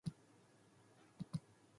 False negatives result in security holes.